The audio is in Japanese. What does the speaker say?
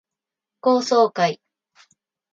高層階